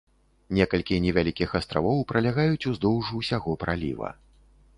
Некалькі невялікіх астравоў пралягаюць уздоўж усяго праліва.